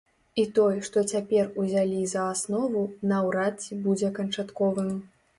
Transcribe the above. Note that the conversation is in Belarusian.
І той, што цяпер узялі за аснову, наўрад ці будзе канчатковым.